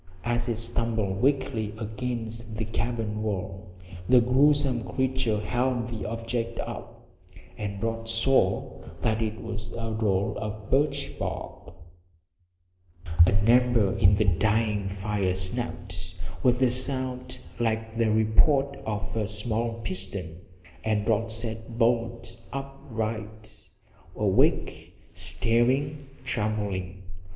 As it stumbled weakly against the cabin wall the gruesome creature held the object up, and Rod saw that it was a roll of birch bark! An ember in the dying fire snapped with a sound like the report of a small pistol and Rod sat bolt upright, awake, staring, trembling.